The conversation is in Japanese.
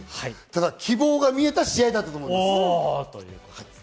ただ希望が見えた試合だと思います。